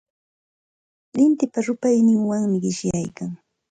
Lintipa llupayninwanmi qishyaykan.